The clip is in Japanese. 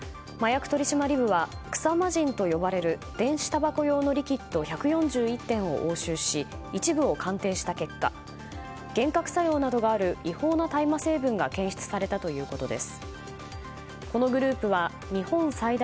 麻薬取締部は草魔人と呼ばれる電子たばこ用のリキッド１４１点を押収し一部を鑑定した結果幻覚作用などがある違法な大麻成分が検出されたということです。